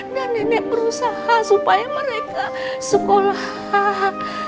dan nenek berusaha supaya mereka sekolah